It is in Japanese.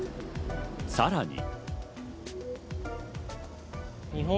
さらに。